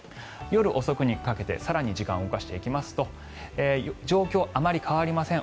夜遅くにかけて更に時間を動かしていきますと状況、あまり変わりません。